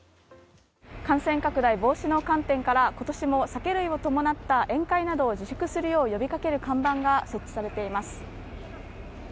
感染拡大防止の観点から今年も酒類を伴った宴会を自粛するよう呼びかける看板が設置されています。